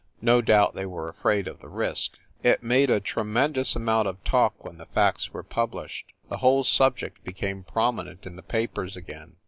No doubt they were afraid of the risk. It made a tremendous amount of talk when the facts were published; the whole subject became prominent in the papers again.